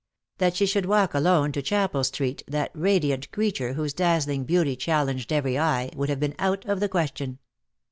That she should walk alone to Chapel Street, that radiant creature whose dazzling beauty challenged every eye, would have been out of the question.